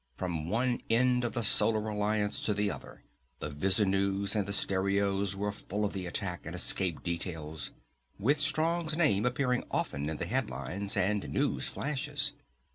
From one end of the Solar Alliance to the other, the visunews and the stereos were full of the attack and escape details, with Strong's name appearing often in the headlines and news flashes.